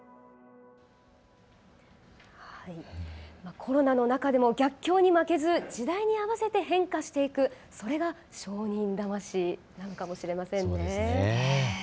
コロナの中でも逆境に負けず、時代に合わせて変化していくそれが商人魂なのかもしれませんね。